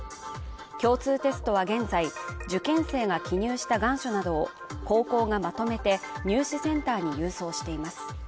共通テストは現在受験生が記入した願書などを高校がまとめて入試センターに郵送しています